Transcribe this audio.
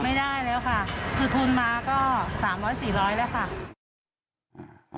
ไม่ได้แล้วค่ะคือทุนมาก็๓๐๐๔๐๐แล้วค่ะ